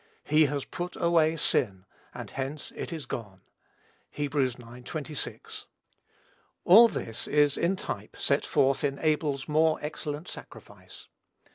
"He has put away sin," and hence it is gone. (Heb. ix. 26.) All this is, in type, set forth in Abel's "more excellent sacrifice."